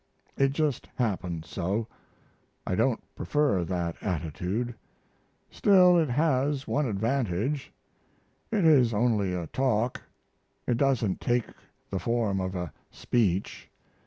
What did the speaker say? It just happened so. I don't prefer that attitude. Still, it has one advantage it is only a talk, it doesn't take the form of a speech....